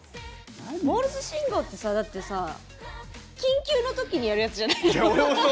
モールス信号ってさ、だってさ緊急のときにやるやつじゃないの。